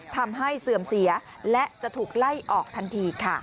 เสื่อมเสียและจะถูกไล่ออกทันทีค่ะ